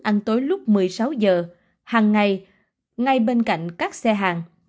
ăn tối lúc một mươi sáu giờ hằng ngày ngay bên cạnh các xe hàng